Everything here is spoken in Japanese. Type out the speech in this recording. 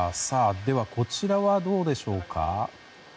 ではこちらはどうでしょうか。